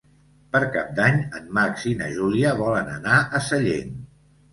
Per Cap d'Any en Max i na Júlia volen anar a Sallent.